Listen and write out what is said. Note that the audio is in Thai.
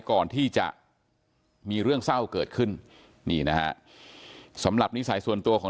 ก่อนที่จะมีเรื่องเศร้าเกิดขึ้นนี่นะฮะสำหรับนิสัยส่วนตัวของ